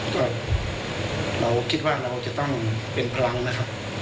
ก็เราคิดว่าเราจะต้องเป็นพลังนะครับ